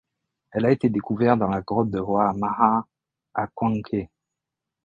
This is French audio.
Elle a été découverte dans la grotte de Hua Maa à Quang Khe.